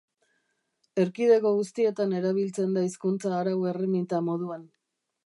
Erkidego guztietan erabiltzen da hizkuntza arau-erreminta moduan.